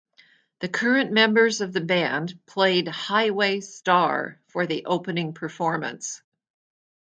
The current members of the band played "Highway Star" for the opening performance.